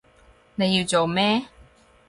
你要做咩？